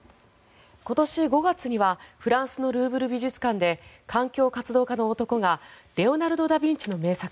今年５月にはフランスのルーブル美術館で環境活動家の男がレオナルド・ダ・ビンチの名作